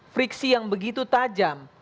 friksi yang begitu tajam